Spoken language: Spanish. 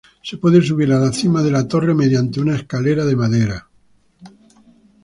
Se puede subir a la cima de la torre mediante una escalera de madera.